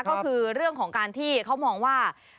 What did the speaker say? ก็คือเรื่องของการที่เขามองว่า